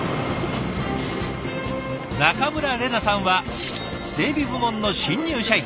中村令奈さんは整備部門の新入社員。